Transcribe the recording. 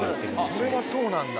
それはそうなんだ。